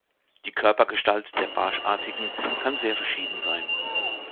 Die Körpergestalt der Barschartigen kann sehr verschieden sein.